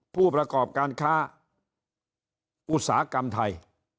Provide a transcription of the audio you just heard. ผู้ประกอบการค้าอุตสาหกรรมไทย